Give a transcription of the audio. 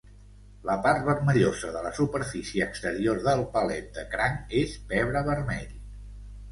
La part vermellosa de la superfície exterior del palet de cranc és pebre vermell.